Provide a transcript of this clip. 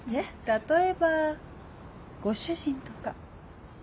例えばご主人とか。